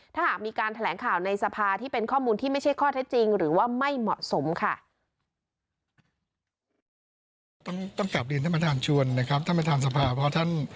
ถ้าหากมีการแถลงข่าวในสภาที่เป็นข้อมูลที่ไม่ใช่ข้อเท็จจริงหรือว่าไม่เหมาะสมค่ะ